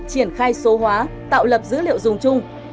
triển khai số hóa tạo lập dữ liệu dùng chung